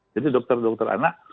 jadi dokter dokter anak